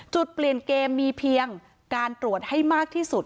จุดเปลี่ยนเกมมีเพียงการตรวจให้มากที่สุด